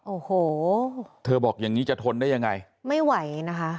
โอ้โหเธอบอกอย่างงี้จะทนได้ยังไงไม่ไหวนะคะ